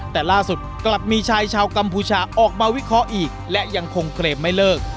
แต่ล่าสุดกลับมีชายชาวกัมพูชาออกมาวิเคราะห์อีกและยังคงเครมไม่เลิก